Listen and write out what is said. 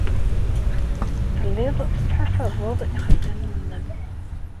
Telliḍ tettḥasabeḍ ixeddamen-nnem.